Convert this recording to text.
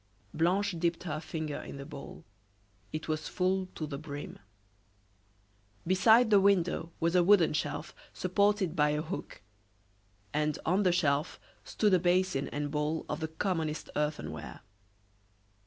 Blanche dipped her finger in the bowl; it was full to the brim. Beside the window was a wooden shelf supported by a hook, and on the shelf stood a basin and bowl of the commonest earthenware.